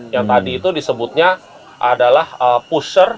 yang tadi itu disebutnya adalah puser